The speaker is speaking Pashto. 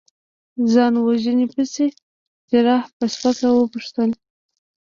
ځان وژنې پسې؟ جراح په سپکه وپوښتل.